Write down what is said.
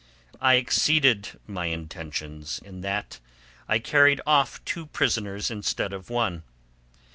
I exceeded my intentions in that I carried off two prisoners instead of one.